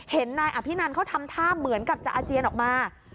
นายอภินันเขาทำท่าเหมือนกับจะอาเจียนออกมา